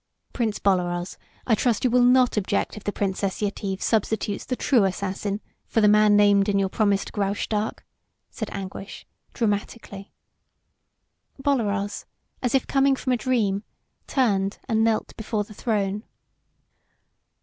"Prince Bolaroz, I trust you will not object if the Princess Yetive substitutes the true assassin for the man named in your promise to Graustark," said Anguish, dramatically. Bolaroz, as if coming from a dream, turned and knelt before the throne.